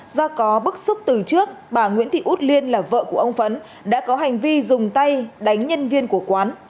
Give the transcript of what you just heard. do có bức xúc từ trước bà nguyễn thị út liên là vợ của ông phấn đã có hành vi dùng tay đánh nhân viên của quán